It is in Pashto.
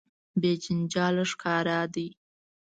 بې جنجاله ښکاره ده.